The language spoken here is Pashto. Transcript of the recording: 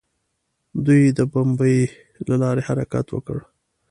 دوی د بمیي له لارې حرکت وکړ.